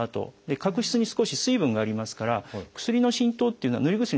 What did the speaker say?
角質に少し水分がありますから薬の浸透というのはぬり薬